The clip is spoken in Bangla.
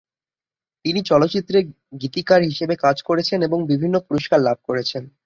তিনি চলচ্চিত্রে গীতিকার হিসেবে কাজ করেছেন এবং বিভিন্ন পুরস্কার লাভ করেছেন।